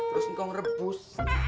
terus ngomong rebus